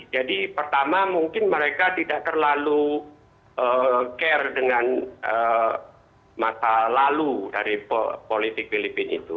jadi pertama mungkin mereka tidak terlalu care dengan masa lalu dari politik filipina itu